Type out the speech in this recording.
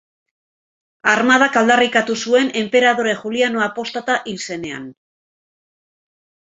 Armadak aldarrikatu zuen enperadore Juliano Apostata hil zenean.